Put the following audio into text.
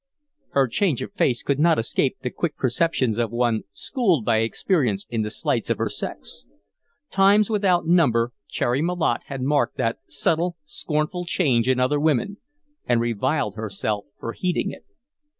Her change of face could not escape the quick perceptions of one schooled by experience in the slights of her sex. Times without number Cherry Malotte had marked that subtle, scornful change in other women, and reviled herself for heeding it.